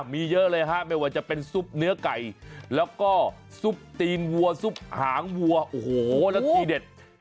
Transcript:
มีเยอะเลยฮะไม่ว่าจะเป็นซุปเนื้อไก่แล้วก็ซุปตีนวัวซุปหางวัวโอ้โหแล้วทีเด็ด